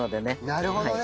なるほどね。